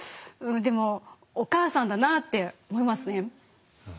でもお母さんだなって思いますね。